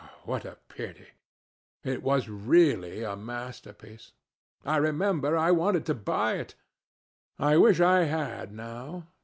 What a pity! it was really a masterpiece. I remember I wanted to buy it. I wish I had now.